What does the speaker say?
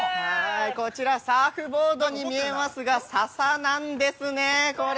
◆こちらサーフボードに見えますが、笹なんですね、これ。